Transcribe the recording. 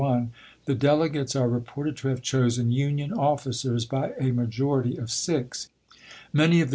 1861, the delegates are reported to have chosen l^^^^j^"^!. Union officers by a majority of six; many of the *^'^^"22^.